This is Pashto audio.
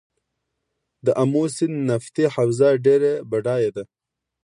د امو سیند نفتي حوزه ډیره بډایه ده.